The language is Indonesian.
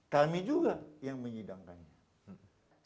kami juga yang menyidangkannya